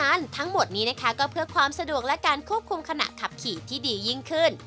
ทั้งหมดนี้นะคะก็เพื่อความสะดวกและการควบคุมขณะขับขี่ที่ดียิ่งขึ้น